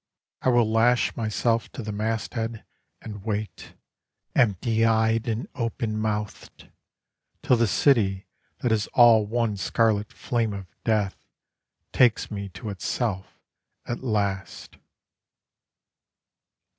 I will lash myself to the masthead And wait Empty eyed and open mouthed, Till the city that is all one scarlet flame of death Takes me to itself at last.